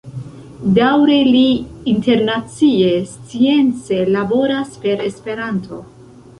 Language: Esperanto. Daŭre li internacie science laboras per Esperanto.